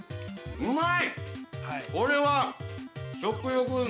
うまい！◆